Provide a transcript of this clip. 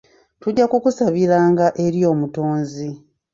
Tujja kukusabiranga eri omutonzi.